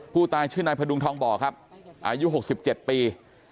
ผู้ตายชื่อนายพดุงทองบ่อครับอายุ๖๗ปี